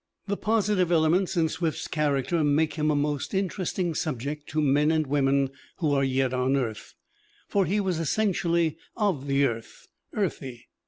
The positive elements in Swift's character make him a most interesting subject to men and women who are yet on earth, for he was essentially of the earth, earthy.